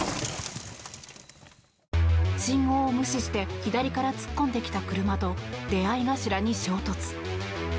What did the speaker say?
信号を無視して左から突っ込んできた車と出合い頭に衝突。